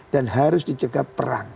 dan harus dicegah perang